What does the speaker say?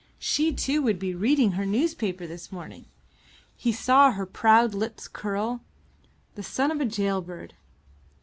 She too would be reading her newspaper this morning. He saw her proud lips curl. The son of a gaol bird!